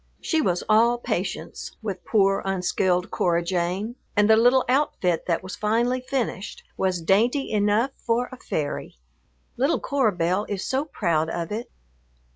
She was all patience with poor, unskilled Cora Jane, and the little outfit that was finally finished was dainty enough for a fairy. Little Cora Belle is so proud of it.